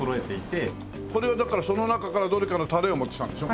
これはだからその中からどれかのタレを持ってきたんでしょ？